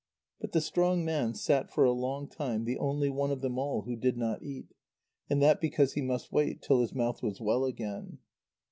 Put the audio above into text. But the strong man sat for a long time the only one of them all who did not eat, and that because he must wait till his mouth was well again.